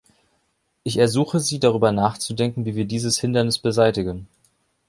Ich ersuche Sie, darüber nachzudenken, wie wir dieses Hindernis beseitigen.